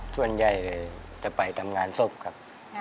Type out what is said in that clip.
ส่วนใหญ่จะไปทำงานศพครับ